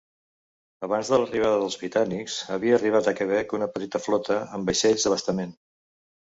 Abans de l'arribada dels britànics, havia arribat a Quebec una petita flota amb vaixells d'abastament.